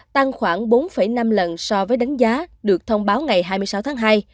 tăng khoảng bốn năm lần so với đánh giá được thông báo ngày hai mươi sáu tháng hai